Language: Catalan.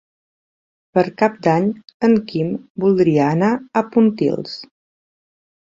Per Cap d'Any en Quim voldria anar a Pontils.